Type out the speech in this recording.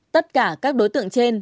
tất cả các đối tượng trên